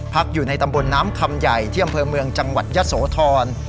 พักอยู่ในตำบลน้ำคำใหญ่เที่ยวเมืองจังหวัดยะโสธร